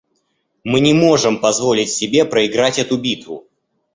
Мы не можем позволить себе проиграть эту битву.